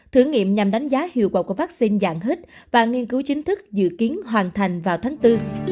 thử nghiệm nhằm đánh giá hiệu quả của vaccine dạng hít và nghiên cứu chính thức dự kiến hoàn thành vào tháng bốn